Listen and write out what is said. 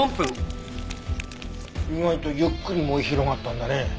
意外とゆっくり燃え広がったんだね。